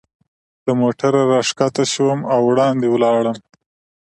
له موټره را کښته شوم او وړاندې ولاړم.